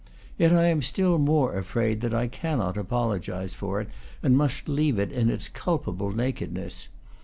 Yet I am still more afraid that I cannot apologize for it, and must leave it in its culpable nakedness.